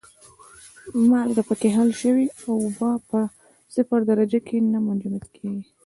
مالګه پکې حل شوې اوبه په صفر درجه کې نه منجمد کیږي.